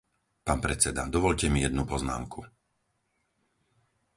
Pán predseda, dovoľte mi jednu poznámku.